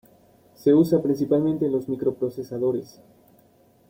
Se usa principalmente en los microprocesadores.